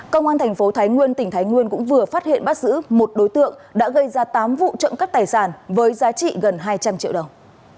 công an tp thái nguyên tp thái nguyên cũng vừa phát hiện bắt giữ một đối tượng đã gây ra tám vụ trộm cắt tài sản với giá trị gần hai trăm linh triệu đồng